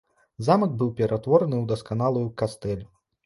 Замак быў пераўтвораны ў дасканалую кастэль.